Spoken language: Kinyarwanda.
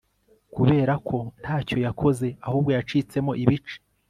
Kuberako ntacyo yakoze ahubwo yacitsemo ibice